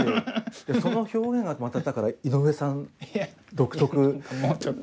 その表現がまただから井上さん独特ですよね。